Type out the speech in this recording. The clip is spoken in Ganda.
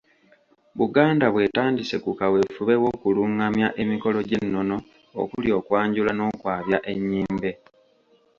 Buganda bw’etandise ku kaweefube w’okulungamya emikolo gy’ennono okuli okwanjula n’okwabya ennyimbe.